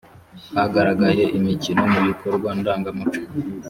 hagaragaye imikino mu bikorwa ndangamuco